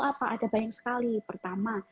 apa ada banyak sekali pertama